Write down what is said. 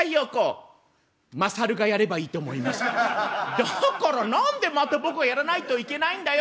「だから何でまた僕がやらないといけないんだよ！」。